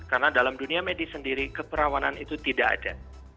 karena dalam dunia medis sendiri keperawanan itu tidak ada